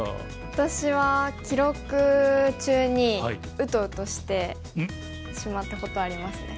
私は記録中にうとうとしてしまったことありますね。